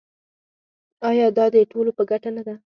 آیا دا د ټولو په ګټه نه ده؟